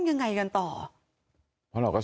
ทุกอย่างมันก็คือเงินคนหมดผ่านจนไม่ถูก